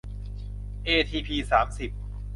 เอทีพี สามสิบ